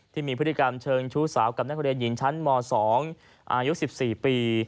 ที่มีพฤติกรรมเชิงชู้สาวกับนักเรียนหญิงชั้นม๒อายุ๑๔ปี